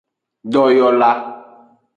Doyola.